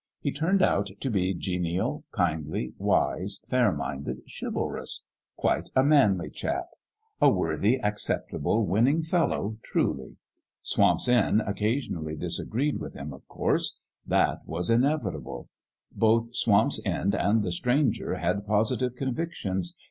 He turned out to be genial, kindly, wise, fair minded, chivalrous, quite a manly Chap: a worthy, acceptable, winning Fellow, truly ! Swamp's End occasionally dis agreed with Him, of course. That was inevi table. Both Swamp's End and the Stranger had positive convictions.